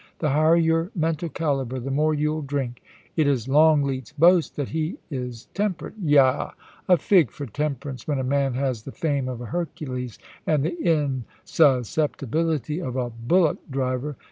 The higher your mental calibre, the more you'll drink. It is Longleat's boast that he is temperate. Yah ! a fig for temperance when a man has the frame of a Hercules and the insusceptibility of a bullock driver